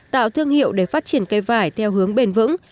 tạo thương hiệu để phát triển cây vải theo hướng bền vững